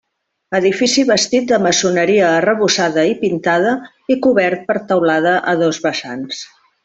Edifici bastit de maçoneria arrebossada i pintada i cobert per teulada a dos vessants.